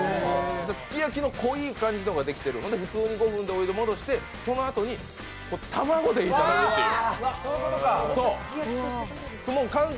すき焼きの濃い感じのやつができて、普通に５分でお湯に戻して、そのあとに卵でいただくという。